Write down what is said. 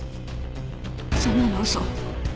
そんなの嘘。